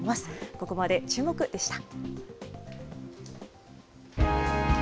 ここまでチューモク！でした。